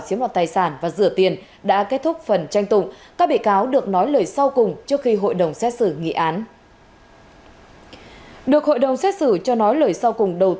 chiếm loạt tài sản và rửa tiền đã kết thúc phần tranh tụng các bị cáo được nói lời sau cùng trước khi hội đồng xét xử